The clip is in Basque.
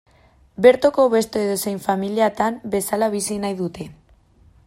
Bertoko beste edozein familiatan bezala bizi nahi dute.